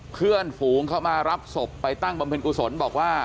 เพื่อนฝูงเข้ามารับศพไปตั้งบำเพ็ญกุศลบอกว่า